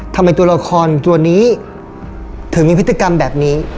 ทำไมตัวละครตัวนี้ถึงมีพฤติกรรมแบบนี้